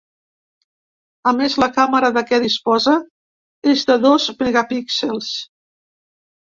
A més, la càmera de què disposa és de dos megapíxels.